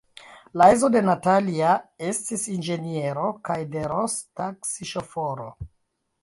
La edzo de Natalia estis inĝeniero kaj de Ros – taksiŝoforo.